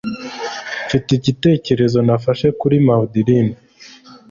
Mfite igitekerezo nafashe kuri Maudlin,